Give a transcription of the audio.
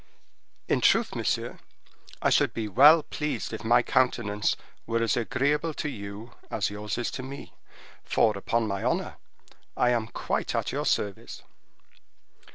In truth, monsieur, I should be well pleased if my countenance were as agreeable to you as yours is to me; for, upon my honor, I am quite at your service."